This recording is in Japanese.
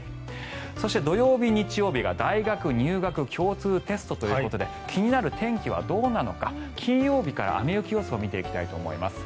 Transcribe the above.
そして土曜日、日曜日が大学入学共通テストということで気になる天気はどうなのか金曜日から雨・雪予想を見ていきたいと思います。